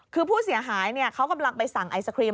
คือผู้เสียหายเขากำลังไปสั่งไอศครีม